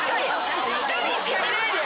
１人しかいない！